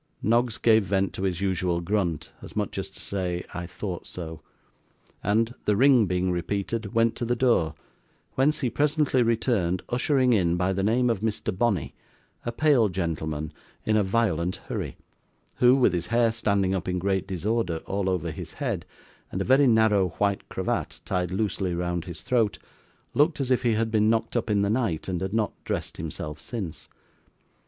Noggs gave vent to his usual grunt, as much as to say 'I thought so!' and, the ring being repeated, went to the door, whence he presently returned, ushering in, by the name of Mr. Bonney, a pale gentleman in a violent hurry, who, with his hair standing up in great disorder all over his head, and a very narrow white cravat tied loosely round his throat, looked as if he had been knocked up in the night and had not dressed himself since.